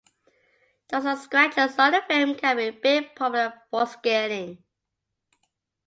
Dust and scratches on the film can be a big problem for scanning.